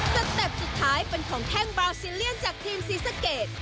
เต็ปสุดท้ายเป็นของแข้งบาวซีเลียนจากทีมศรีสะเกด